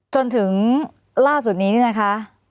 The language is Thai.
จนถึงล่าสุดนี้นะค่ะ